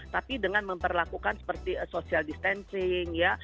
tapi dengan memperlakukan seperti social distancing ya